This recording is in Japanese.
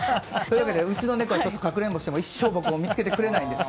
うちの猫はかくれんぼをしても一生僕を見つけてくれないです。